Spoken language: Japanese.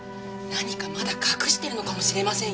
何かまだ隠してるのかもしれませんよ。